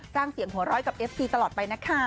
สร้างเสียงหัวร้อยกับเอฟซีตลอดไปนะคะ